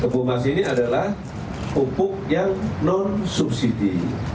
bumas ini adalah pupuk yang non subsidi